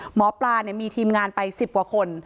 หมอปลามีทีมงานไป๑๐กว่าคน